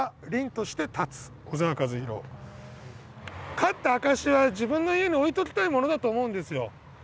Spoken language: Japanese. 勝った証しは自分の家に置いときたいものだと思うんですよ。